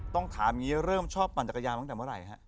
ต้องถามอย่างนี้เริ่มชอบปั่นจักรยานตั้งแต่เมื่อไหร่ฮะ